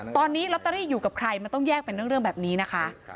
ตอนนี้ลอตเตอรี่อยู่กับใครมันต้องแยกเป็นเรื่องแบบนี้นะคะ